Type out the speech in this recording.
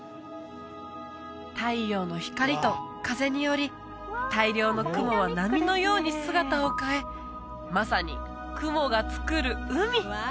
太陽の光と風により大量の雲は波のように姿を変えまさに雲がつくる海！